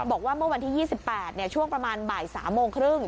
บอกว่าเมื่อวันที่๒๘ช่วงประมาณบ่าย๓โมงครึ่ง